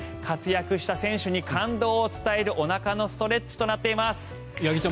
活躍した選手に感動を伝えるおなかのストレッチとなっています。